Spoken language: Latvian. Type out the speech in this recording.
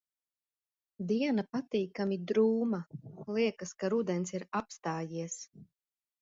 Diena patīkami drūma. Liekas, ka rudens ir apstājies.